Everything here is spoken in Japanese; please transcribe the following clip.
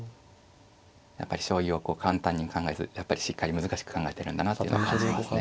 やっぱり将棋を簡単に考えずやっぱりしっかり難しく考えてるんだなっていうのは感じますね。